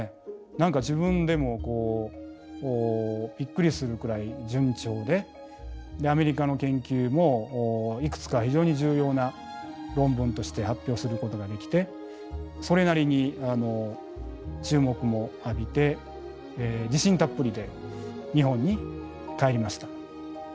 何か自分でもびっくりするくらい順調でアメリカの研究もいくつか非常に重要な論文として発表することができてそれなりに注目も浴びて自信たっぷりで日本に帰りました。